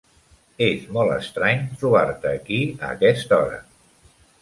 És molt estrany trobar-te aquí a aquesta hora.